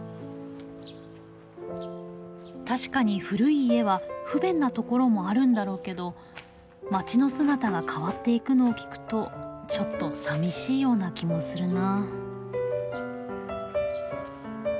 確かに古い家は不便なところもあるんだろうけど街の姿が変わっていくのを聞くとちょっとさみしいような気もするな。